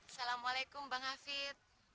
assalamualaikum bang hafid